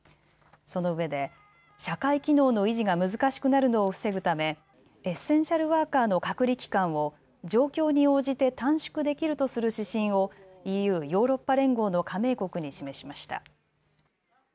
そのうえで社会機能の維持が難しくなるのを防ぐためエッセンシャルワーカーの隔離期間を状況に応じて短縮できるとする指針をＥＵ・ヨーロッパ連合の加盟国に示しました。